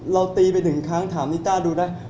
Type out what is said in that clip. เราตีไปหนึ่งครั้งถามนิต้าดูได้